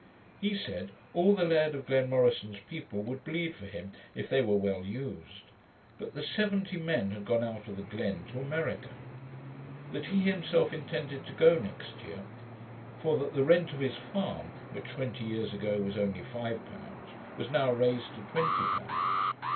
He said, all the Laird of Glenmorison's people would bleed for him, if they were well used; but that seventy men had gone out of the Glen to America. That he himself intended to go next year; for that the rent of his farm, which twenty years ago was only five pounds, was now raised to twenty pounds.